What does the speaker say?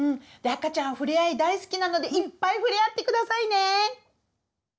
赤ちゃんふれあい大好きなのでいっぱいふれあってくださいね！